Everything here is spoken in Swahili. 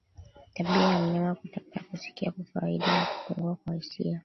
Tabia ya mnyama kutembea kusiko kwa kawaida na kupungua kwa hisia